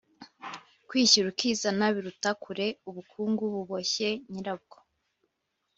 kwishyira ukizana biruta kure ubukungu buboshye nyirabwo. “